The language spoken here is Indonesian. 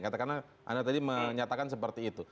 katakanlah anda tadi menyatakan seperti itu